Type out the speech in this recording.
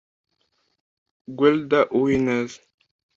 Guelda Uwineza